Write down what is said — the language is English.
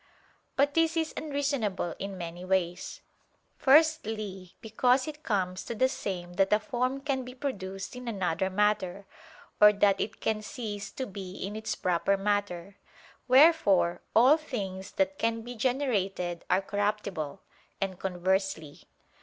But this is unreasonable in many ways. Firstly, because it comes to the same that a form can be produced in another matter, or that it can cease to be in its proper matter; wherefore all things that can be generated are corruptible, and conversely.